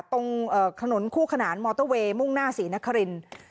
ตรงถนนคู่ขนานมอเตอร์เวย์มุ่งหน้าศรีนครินทร์